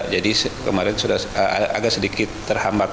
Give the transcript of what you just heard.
jadi kemarin agak sedikit terhambat